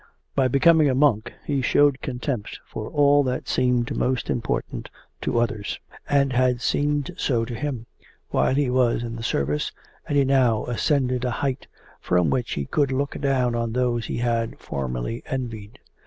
By becoming a monk he showed contempt for all that seemed most important to others and had seemed so to him while he was in the service, and he now ascended a height from which he could look down on those he had formerly envied....